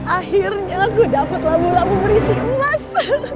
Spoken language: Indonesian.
akhirnya aku dapat labu labu berisi emas